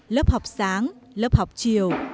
lớp học sáng lớp học chiều